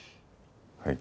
はい。